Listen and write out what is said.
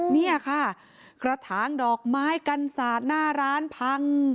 นี่ค่ะกระถางดอกไม้กันศาสตร์หน้าร้านพัง